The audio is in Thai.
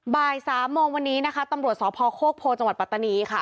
บ่ายสามโมงวันนี้นะคะตำรวจสพโคกโพจังหวัดปัตตานีค่ะ